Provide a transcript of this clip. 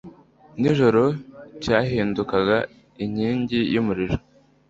nijoro cyahindukaga inkingi y'umuriro